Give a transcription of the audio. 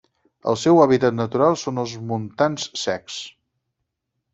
El seu hàbitat natural són els montans secs.